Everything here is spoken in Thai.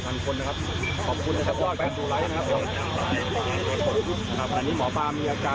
๓๔พันคนนะครับขอบคุณนะครับว่าการดูไลฟ์นะครับ